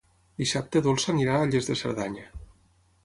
Dissabte na Dolça anirà a Lles de Cerdanya.